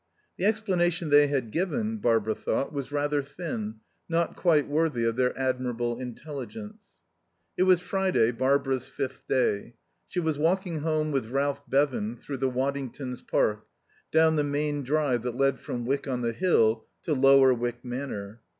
The explanation they had given, Barbara thought, was rather thin, not quite worthy of their admirable intelligence. It was Friday, Barbara's fifth day. She was walking home with Ralph Bevan through the Waddingtons' park, down the main drive that led from Wyck on the Hill to Lower Wyck Manor.